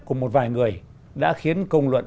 của một vài người đã khiến công luận